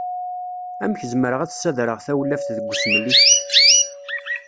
Amek zemreɣ ad d-ssadreɣ tawlaft deg usmel-ik?